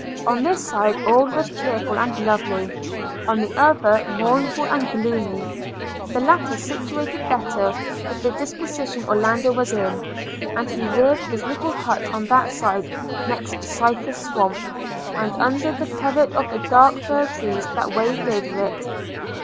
On this side all was cheerful and lovely – on the other mournful and gloomy: the latter suited better with the disposition Orlando was in; and he reared his little hut on that side next the cypress swamp, and under the covert of the dark fir trees that waved over it.